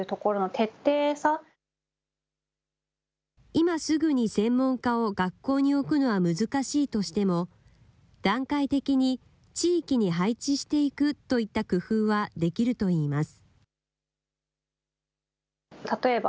今すぐに専門家を学校に置くのは難しいとしても、段階的に地域に配置していくといった工夫はできるといいます。